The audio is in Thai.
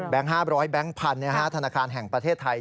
แบงค์๕๐๐แบงค์๑๐๐๐ธนาคารแห่งประเทศไทย